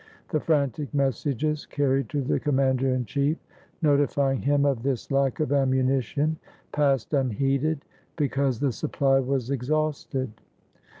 The frantic messages carried to the commander in chief notifying him of this lack of ammunition passed unheeded, because the supply was exhausted.